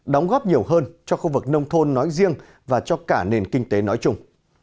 đóng góp nhiều hơn cho khu vực nông thôn nói riêng và cho cả nền kinh tế nói chung